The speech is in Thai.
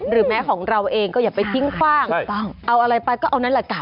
แม้ของเราเองก็อย่าไปทิ้งคว่างเอาอะไรไปก็เอานั่นแหละค่ะ